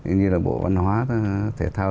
như là bộ văn hóa thể thao